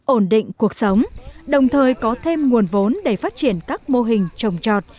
ổn định cuộc sống đồng thời có thêm nguồn vốn để phát triển các mô hình trồng trọt